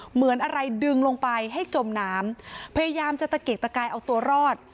เหมือนอะไรดึงลงไปให้จมน้ำพยายามจะตะเกียกตะกายเอาตัวรอด